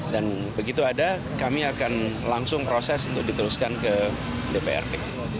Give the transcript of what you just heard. dan begitu ada kami akan langsung proses untuk diteruskan ke dprp